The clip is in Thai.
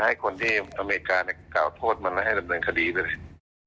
ให้คนที่อเมริกากล่าวโทษมันไม่ให้ดำเนินคดีไปเลย